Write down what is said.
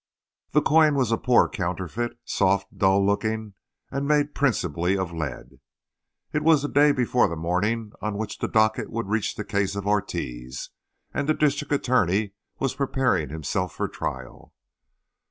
The coin was a poor counterfeit, soft, dull looking, and made principally of lead. It was the day before the morning on which the docket would reach the case of Ortiz, and the district attorney was preparing himself for trial.